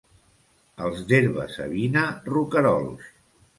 Els d'Herba-savina, roquerols.